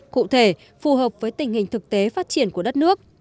cụ thể phù hợp với tình hình thực tế phát triển của đất nước